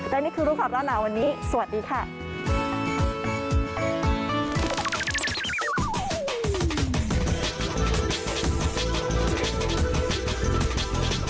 แต่นี่คือรูปคลับร่านาวันนี้สวัสดีค่ะ